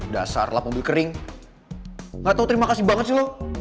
dasar lap mobil kering gak tau terima kasih banget sih lo